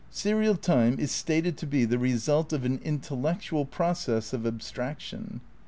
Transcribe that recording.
Serial time is stated to be the result of "an intellec tual process of abstraction."